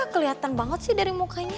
kelihatan banget sih dari mukanya